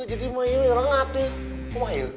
jadi saya sangat merasa saya